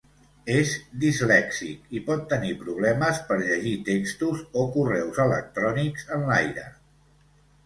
És dislèxic i pot tenir problemes per llegir textos o correus electrònics en l'aire.